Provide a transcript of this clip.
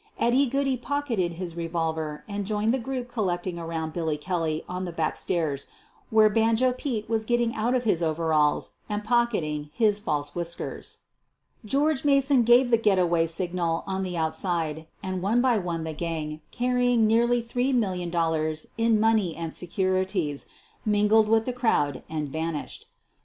Eddy Goodey pocketed his revolver and joined the group collecting around Billy Kelly on the back stairs, where " Banjo Pete" was getting out of his overalls and pocketing hii5 false whiskers. George Mason gave the "get away" signal oa the outside, and one by one the gang, carrying nearly QUEEN OF THE BURGLARS 165 $3,000,000 in money and securities, mingled with the crowd and vanished.